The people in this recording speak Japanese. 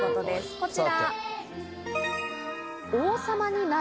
こちら。